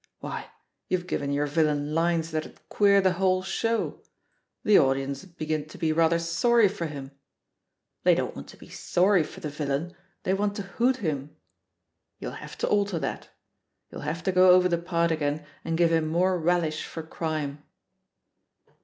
Why, you've given your villain lines that'd queer the whole show; the audience 'd begin to be rather sorry for him I 182 yHE POSITION OF PEGGY HARPEB They don*t want to be sorry for the TiUain, they want to hoot him. You'll have to alter that; you'll have to go over the part agam and give him more relish for crime."